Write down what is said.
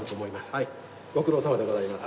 はいご苦労さまでございます。